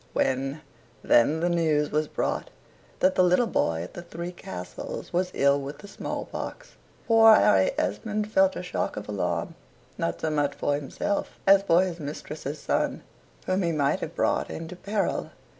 When, then, the news was brought that the little boy at the "Three Castles" was ill with the small pox, poor Harry Esmond felt a shock of alarm, not so much for himself as for his mistress's son, whom he might have brought into peril.